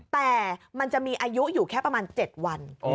แต่มันจะมีอายุอยู่แค่ประมาณ๗วัน